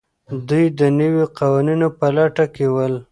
دوی د نویو قوانینو په لټه کې ول.